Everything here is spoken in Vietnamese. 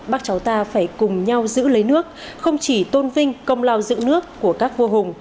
bác cháu ta phải cùng nhau giữ lấy nước không chỉ tôn vinh công lao giữ nước của các vua hùng